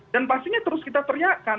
dan pastinya terus kita teriakan